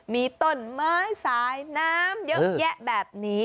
มีต้นไม้สายน้ำเยอะแยะแบบนี้